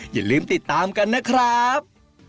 อย่าลืมติดตามกันนะครับ